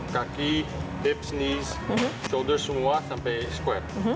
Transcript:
kaki hips knees shoulders semua sampai square